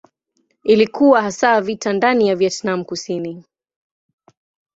Ilikuwa hasa vita ndani ya Vietnam Kusini.